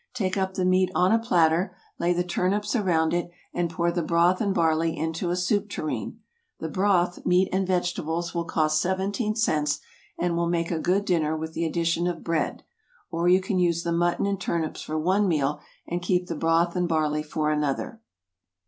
Take up the meat on a platter, lay the turnips around it, and pour the broth and barley into a soup tureen. The broth, meat and vegetables will cost seventeen cents, and will make a good dinner with the addition of bread; or you can use the mutton and turnips for one meal, and keep the broth and barley for another.